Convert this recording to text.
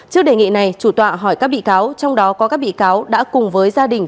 trước đề nghị này chủ tọa hỏi các bị cáo trong đó có các bị cáo đã cùng với gia đình